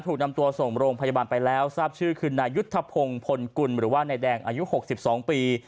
ถูกนำตัวส่งโรงพยาบาลไปแล้วทราบชื่อคือนายุทธพงศ์พลกุลหรือว่านายแดงอายุ๖๒ปี